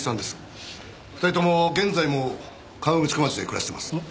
２人とも現在も河口湖町で暮らしてます